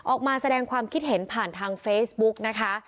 ออกมาแสดงความคิดเห็นผ่านทางเฟซบุ๊กนะคะ